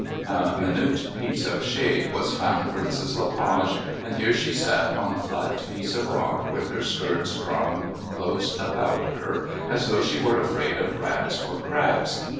A minute piece of shade was found for Mrs. Le Page, and here she sat on a flat piece of rock with her skirts drawn close about her as though she were afraid of rats or crabs.